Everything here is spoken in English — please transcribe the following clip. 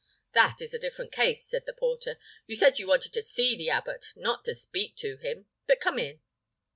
"That is a different case," said the porter; "you said you wanted to see the abbot, not to speak to him. But come in."